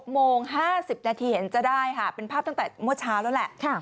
โมง๕๐นาทีเห็นจะได้ค่ะเป็นภาพตั้งแต่เมื่อเช้าแล้วแหละ